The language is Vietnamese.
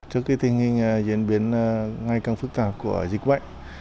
trước khi tình hình diễn biến ngay càng phức tạp của dịch bệnh